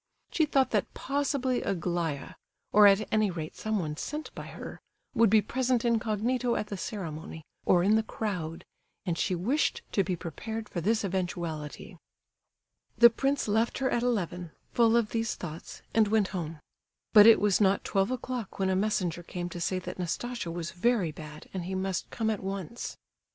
She thought that possibly Aglaya, or at any rate someone sent by her, would be present incognito at the ceremony, or in the crowd, and she wished to be prepared for this eventuality. The prince left her at eleven, full of these thoughts, and went home. But it was not twelve o'clock when a messenger came to say that Nastasia was very bad, and he must come at once.